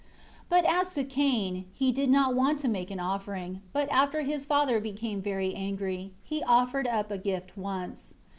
7 But as to Cain, he did not want to make an offering, but after his father became very angry, he offered up a gift once.